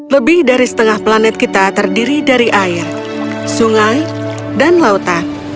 lebih dari setengah planet kita terdiri dari air sungai dan lautan